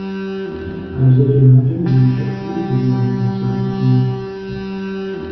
А бзаджэнаджэм зиущэхури зызигъэумысатэкъыми.